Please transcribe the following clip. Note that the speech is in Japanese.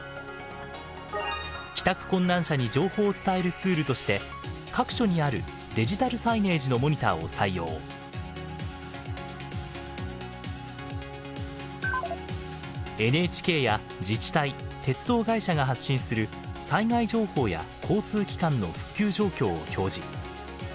帰宅困難者に情報を伝えるツールとして各所にあるＮＨＫや自治体鉄道会社が発信する災害情報や交通機関の復旧状況を表示。